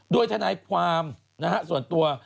โดยทนายความส่วนตัว